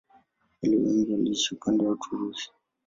Walio wengi waliishi upande wa Uturuki.